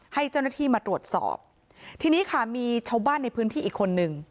ให้เจ้าหน้าที่มาตรวจสอบทีนี้ค่ะมีชาวบ้านในพื้นที่อีกคนนึง